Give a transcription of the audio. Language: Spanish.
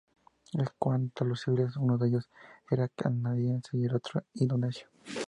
En cuanto a los civiles, uno de ellos era canadiense y el otro indonesio.